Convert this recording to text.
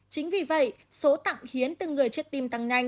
chính vì vậy số tặng hiến từ người chết tim tăng nhanh